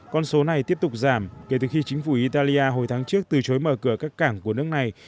con số này tiếp tục giảm kể từ khi chính phủ italia hồi tháng trước từ chối mở cửa các cảng của nước này